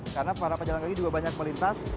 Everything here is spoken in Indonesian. karena para pejalan kaki juga banyak melintas